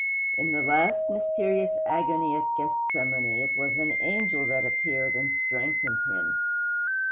In the last mysterious agony at Gethsemane it was an angel that appeared and strengthened him.